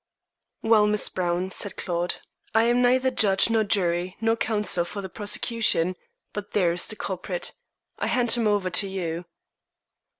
"Well, Miss Browne," said Claude, "I am neither judge nor jury nor counsel for the prosecution, but there is the culprit. I hand him over to you."